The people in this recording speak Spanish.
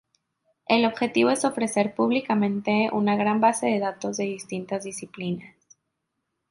El objetivo es ofrecer públicamente una gran base de datos de distintas disciplinas.